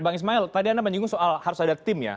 bang ismail tadi anda menyinggung soal harus ada tim ya